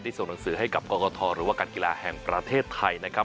ได้ส่งหนังสือให้กับคคทหรือว่าการกีฬาแห่งประเทศไทย